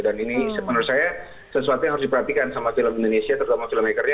dan ini menurut saya sesuatu yang harus diperhatikan sama film indonesia terutama filmmaker nya